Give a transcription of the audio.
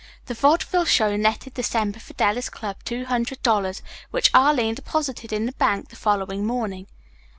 The vaudeville show netted the Semper Fidelis Club two hundred dollars, which Arline deposited in the bank the following morning.